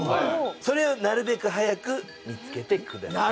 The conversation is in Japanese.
それをなるべく早く見つけてください